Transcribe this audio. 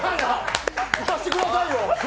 させてくださいよ。